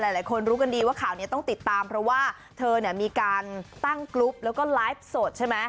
หลายคนรู้กันดีว่าข่าวนี้ต้องติดตามเพราะว่าเธอเนี่ยมีการตั้งกรุ๊ปแล้วก็ไลฟ์สดใช่ไหม